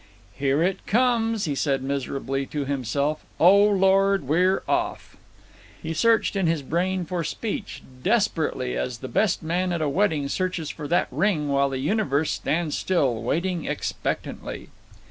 "Here it comes!" he said miserably to himself. "Oh, Lord! We're off!" He searched in his brain for speech, desperately, as the best man at a wedding searches for that ring while the universe stands still, waiting expectantly.